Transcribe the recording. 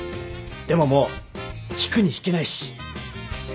でももう引くに引けないし。